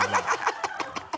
ハハハ